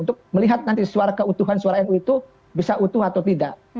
untuk melihat nanti suara keutuhan suara nu itu bisa utuh atau tidak